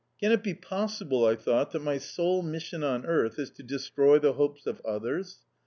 "Can it be possible," I thought, "that my sole mission on earth is to destroy the hopes of others?